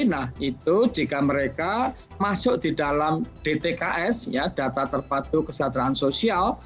nah itu jika mereka masuk di dalam dtks data terpadu kesejahteraan sosial